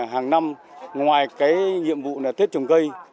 hàng năm ngoài cái nhiệm vụ là tết trồng cây